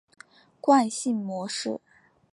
惯性模式。